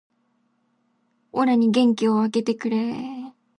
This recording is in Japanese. オラに元気を分けてくれー